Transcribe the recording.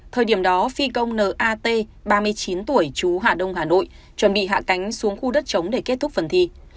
thời điểm đó phi công nat ba mươi chín tuổi chú hạ đông hà nội chuẩn bị hạ cánh xuống khu đất chống để kết thúc phần thi